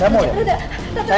saya harus tahu